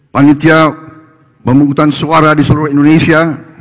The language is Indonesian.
panitia pemungutan suara di seluruh indonesia